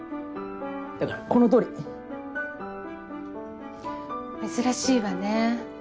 だからこの通り！珍しいわね。